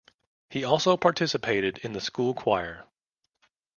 He also participated in the school choir.